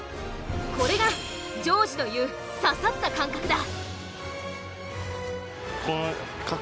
これが丈司の言う「刺さった」感覚だ。